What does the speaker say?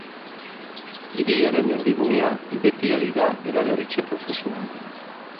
Hiriaren erdigunea beti ari da eraberritze prozesuan.